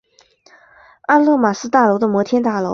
阿勒玛斯大楼的摩天大楼。